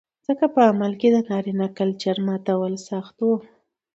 ځکه په عمل کې د نارينه کلچر ماتول سخت و